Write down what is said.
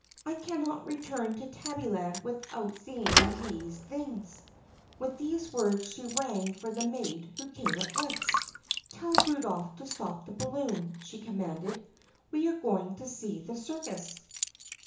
I cannot return to Tabby land without seeing these things." With these words she rang for the maid, who came at once. "Tell Rudolph to stop the balloon," she commanded. "We are going to see the circus."